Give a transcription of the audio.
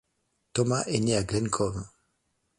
Thomas est née à Glen Cove.